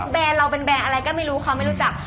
มันแบงอะไรก็ไม่รู้เขาไม่รู้จัก